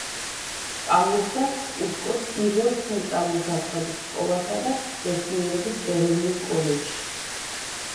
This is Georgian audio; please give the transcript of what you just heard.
სწავლობდა კუსკოს პირველ ცენტრალურ დაწყებით სკოლასა და მეცნიერების ეროვნულ კოლეჯში.